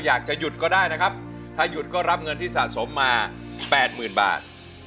อยากจะหยุดก็ได้นะครับถ้าหยุดก็รับเงินที่สะสมมา๘๐๐๐บาท